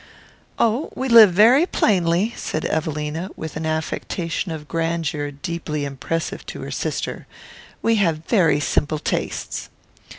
"Oh, we live very plainly," said Evelina, with an affectation of grandeur deeply impressive to her sister. "We have very simple tastes."